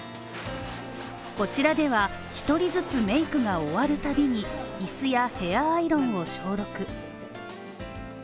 こちらでは１人ずつメイクが終わるたびに椅子やヘアアイロンを消毒。